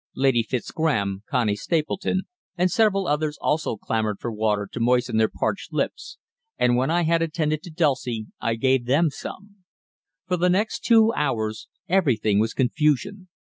Lady Fitzgraham, Connie Stapleton, and several others also clamoured for water to moisten their parched lips, and when I had attended to Dulcie I gave them some. For the next two hours everything was confusion.